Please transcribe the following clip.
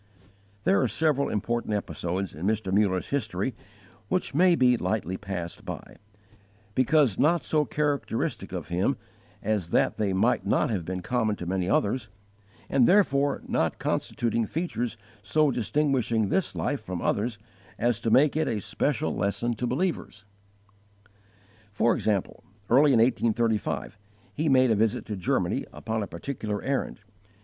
There are several important episodes in Mr. Muller's history which may be lightly passed by, because not so characteristic of him as that they might not have been common to many others, and therefore not constituting features so distinguishing this life from others as to make it a special lesson to believers. For example, early in 1835 he made a visit to Germany upon a particular errand.